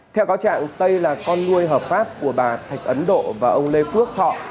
theo cáo trạng tây là con nuôi hợp pháp của bà thạch ấn độ và ông lê phước thọ